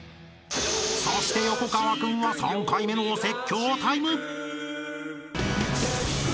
［そして横川君は３回目のお説教タイム］